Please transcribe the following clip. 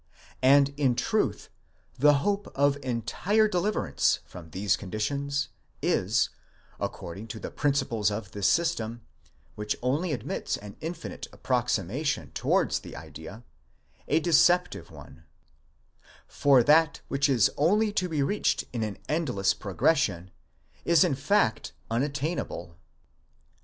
And, in truth, the hope of entire deliverance from these conditions, is, according to the principles of this system, which only admits an infinite approximation towards the idea, a deceptive one ; for that which is only to be reached in an endless progression, is in fact unattainable.